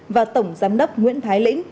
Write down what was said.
và tổng giám đốc nguyễn thái lĩnh